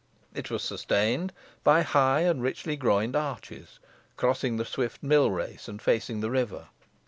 It was sustained by high and richly groined arches, crossing the swift mill race, and faced the river.